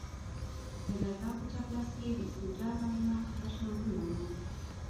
د درگاه په چپ لاس کښې د استنجا ځايونه او تشنابونه وو.